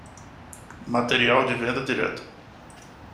Material de venda direta